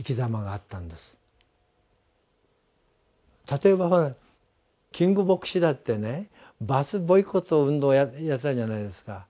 例えばキング牧師だってねバス・ボイコット運動をやったじゃないですか。